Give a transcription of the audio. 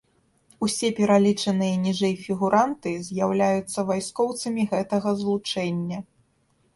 Усё пералічаныя ніжэй фігуранты з'яўляюцца вайскоўцамі гэтага злучэння.